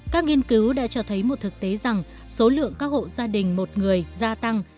các nghiên cứu đã cho thấy một thực tế rằng số lượng các hộ gia đình một người gia tăng